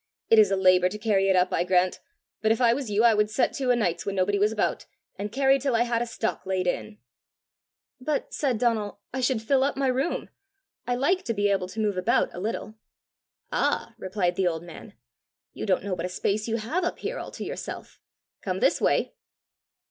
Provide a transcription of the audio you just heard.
It is a labour to carry it up, I grant; but if I was you, I would set to o' nights when nobody was about, and carry till I had a stock laid in!" "But," said Donal, "I should fill up my room. I like to be able to move about a little!" "Ah," replied the old man, "you don't know what a space you have up here all to yourself! Come this way."